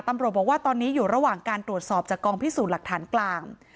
ตำรวจบอกว่าตอนนี้อยู่ระหว่างการตรวจสอบจากกองพิสูจน์หลักฐานกลาง